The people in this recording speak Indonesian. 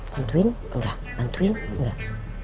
bantuin enggak bantuin enggak